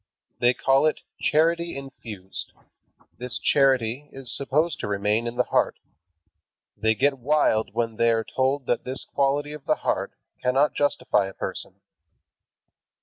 They call it "charity infused." This charity is supposed to remain in the heart. They get wild when they are told that this quality of the heart cannot justify a person.